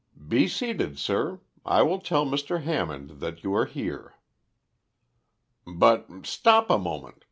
"Be seated, sir. I will tell Mr. Hammond that you are here." "But stop a moment.